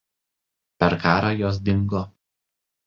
Per karą jos dingo.